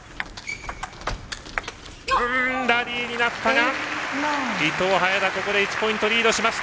ラリーになったが伊藤、早田、ここで１ポイントリードしました。